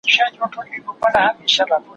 زه به سبا د نوي لغتونو يادونه وکړم؟!